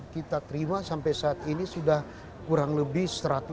kita terima sampai saat ini sudah kurang lebih satu ratus lima puluh